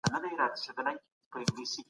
د ټولنیز عدالت رعایت مهم دی.